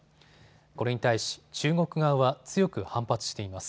これに対し、中国側は強く反発しています。